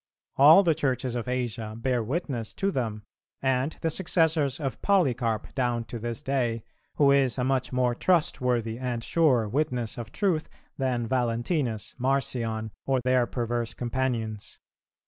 All the Churches of Asia bear witness to them; and the successors of Polycarp down to this day, who is a much more trustworthy and sure witness of truth than Valentinus, Marcion, or their perverse companions.